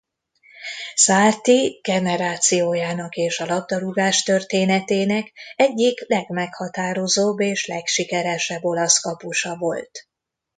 Sarti generációjának és a labdarúgás történetének egyik legmeghatározóbb és legsikeresebb olasz kapusa volt.